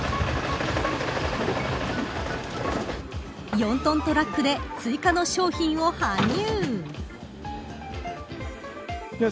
４トントラックで追加の商品を搬入。